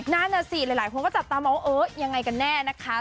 นั่นน่ะสิหลายคนก็จับตามองว่าเออยังไงกันแน่นะคะ